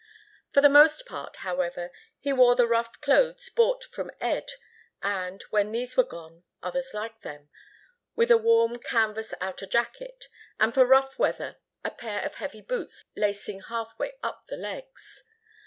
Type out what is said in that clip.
For the most part, however, he wore the rough clothes bought from Ed, and, when these were gone, others like them, with a warm canvas outer jacket, and for rough weather a pair of heavy boots lacing half way up the legs.